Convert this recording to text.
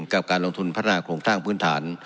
กับการลงทุนพัฒนาโครงสร้างพื้นฐาน